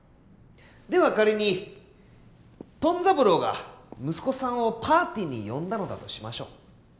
では仮にトン三郎が息子さんをパーティーに呼んだのだとしましょう。